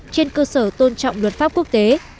trên cơ sở tôn trọng luật pháp quốc tế